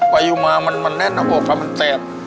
ปะจริงมั้ยมันแน่ละแล้วพอมันเต็บ